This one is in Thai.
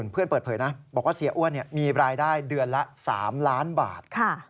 เปิดเผยนะบอกว่าเสียอ้วนมีรายได้เดือนละ๓ล้านบาท